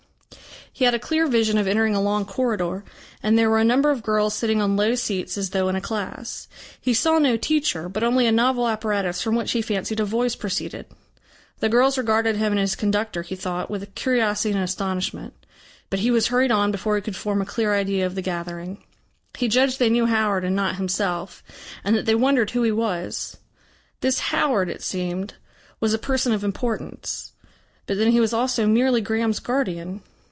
He had a clear vision of entering a long corridor, and there were a number of girls sitting on low seats, as though in a class. He saw no teacher, but only a novel apparatus from which he fancied a voice proceeded. The girls regarded him and his conductor, he thought, with curiosity and astonishment. But he was hurried on before he could form a clear idea of the gathering. He judged they knew Howard and not himself, and that they wondered who he was. This Howard, it seemed, was a person of importance. But then he was also merely Graham's guardian.